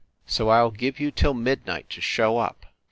So I ll give you till midnight to show up.